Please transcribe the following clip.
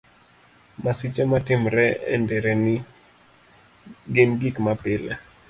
Masiche matimore e nderni gin gik mapile.